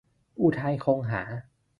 อุทัย คงหา